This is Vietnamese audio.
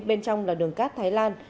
bên trong là đường cát thái lan